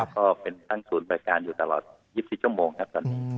ก็เป็นตั้งศูนย์บริการอยู่ตลอด๒๔ชั่วโมงครับตอนนี้